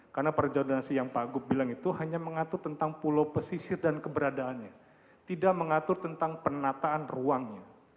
karena perda zonasi yang pak agus bilang itu hanya mengatur tentang pulau pesisir dan keberadaannya tidak mengatur tentang penataan ruangnya